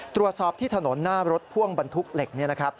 ตรวจสอบที่ถนนหน้ารถพ่วงบรรทุกเหล็ก